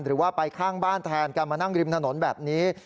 หรือว่าไปข้างบ้านแทนการมานั่งริมถนนแบบนี้